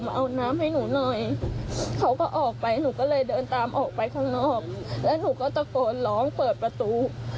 แล้วหนูก็ตะโกนร้องเปิดประตู